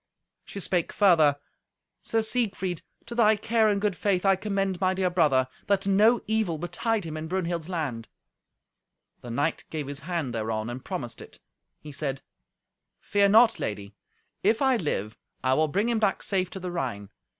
She spake further, "Sir Siegfried, to thy care and good faith I commend my dear brother, that no evil betide him in Brunhild's land." The knight gave his hand thereon, and promised it. He said, "Fear not, lady; if I live, I will bring him back safe to the Rhine.